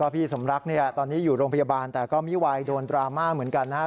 พี่สมรักเนี่ยตอนนี้อยู่โรงพยาบาลแต่ก็ไม่ไหวโดนดราม่าเหมือนกันนะครับ